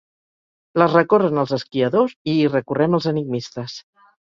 Les recorren els esquiadors i hi recorrem els enigmistes.